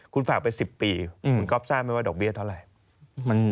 คุณฝากไป๑๐ปีคุณก๊อฟทราบไหมว่าดอกเบี้ยเท่าไหร่